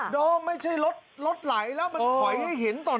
ดอมไม่ใช่รถรถไหลแล้วมันถอยให้เห็นตอน